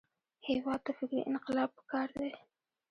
هېواد ته فکري انقلاب پکار دی